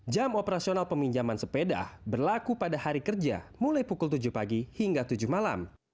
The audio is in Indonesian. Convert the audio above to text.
jam operasional peminjaman sepeda berlaku pada hari kerja mulai pukul tujuh pagi hingga tujuh malam